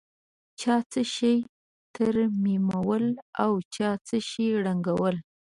چا څه شي ترمیمول او چا څه شي ړنګول.